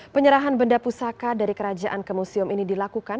penyerahan benda pusaka dari kerajaan ke museum ini dilakukan